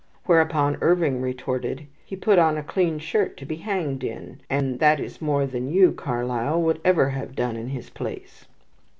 Whereupon Irving retorted: "He put on a clean shirt to be hanged in, and that is more than you, Carlyle, would ever have done in his place."